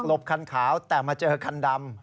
บคันขาวแต่มาเจอคันดำ